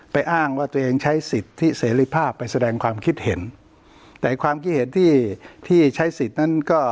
อ้างว่าตัวเองใช้สิทธิเสรีภาพไปแสดงความคิดเห็นแต่ความคิดเห็นที่ที่ใช้สิทธิ์นั้นก็